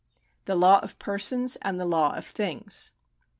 The laiv of persons and the law of things.